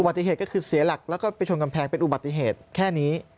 ติเหตุก็คือเสียหลักแล้วก็ไปชนกำแพงเป็นอุบัติเหตุแค่นี้